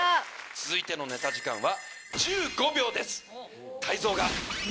続いてのネタ時間は。